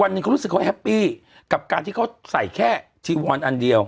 วันนี้เขารู้สึกโคตรแฮปปี้กับการที่เขาใส่แค่ชีวรอันเดียว